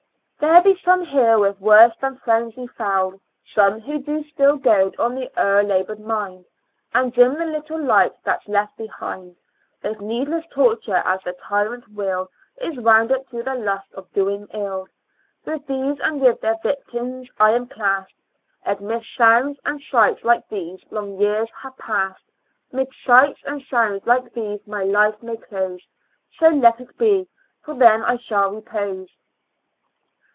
\%\ There be some here with worse than frenzy foul, Some who do still goad on the o'er labored mind, And dim the little light that's left behind, With needless tortm e, as their tyrant will Is wound up to the lust of doing ill; With these, and with their victims, am I classed, [ed. 'Mid sounds and sights like these, long years have pass 'Mid sights and sounds like these my life may close ; So let it be — for then I shall repose.